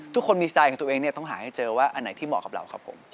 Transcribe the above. ทุกคนมีสไตล์ของตัวเองเนี่ยต้องหาให้เจอว่าอันไหนที่เหมาะกับเราครับผม